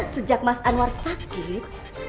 sejak mas anwar sakit